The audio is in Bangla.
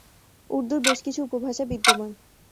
উর্দুর বেশ কিছু উপভাষা বিদ্যমান।